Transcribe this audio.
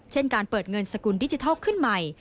เช่นการเปิดเงินสกุลดิจิทัลขึ้นใหม่